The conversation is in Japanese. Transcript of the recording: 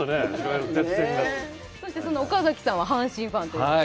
そして岡崎さんは阪神ファンということで？